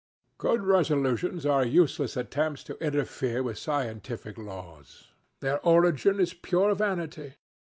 "Good resolutions are useless attempts to interfere with scientific laws. Their origin is pure vanity.